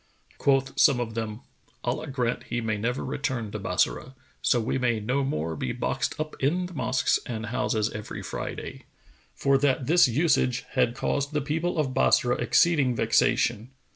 Quoth some of them, "Allah grant he may never return to Bassorah, so we may no more be boxed up in the mosques and houses every Friday!"; for that this usage had caused the people of Bassorah exceeding vexation.